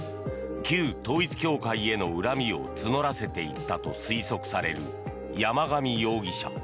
旧統一教会への恨みを募らせていったと推測される山上容疑者。